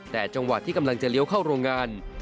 แต่จังหวะที่กำลังจะเลี้ยวเข้าโรงงาน